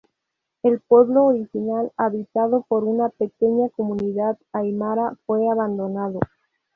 El pueblo original, habitado por una pequeña comunidad aimara, fue abandonado.